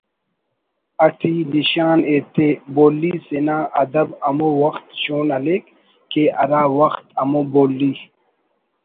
اٹی نشان ایتے بولی سینا ادب ہمو وخت شون ہلیک کہ ہرا وخت ہمو بولی